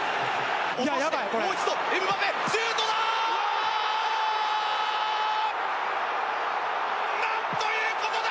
もう一度、エムバペシュートだ！